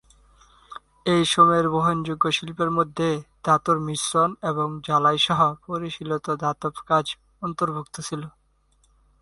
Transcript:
এই সময়ের বহনযোগ্য শিল্পের মধ্যে ধাতুর মিশ্রণ এবং ঝালাই সহ পরিশীলিত ধাতব কাজ অন্তর্ভুক্ত ছিল।